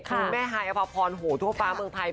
คุณแม่ไฮอภพรโถ่ฟ้าเมืองไทย